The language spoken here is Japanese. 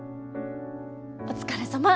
お疲れさま。